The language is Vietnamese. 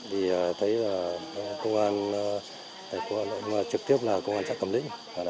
thì thấy là công an trực tiếp là công an trạng cầm định